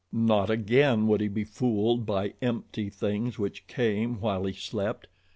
Not again would he be fooled by empty things which came while he slept!